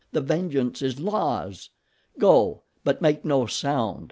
The vengeance is La's. Go; but make no sound!"